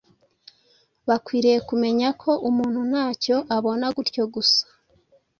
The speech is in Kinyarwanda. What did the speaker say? bakwiriye kumenya ko umuntu ntacyo abona gutyo gusa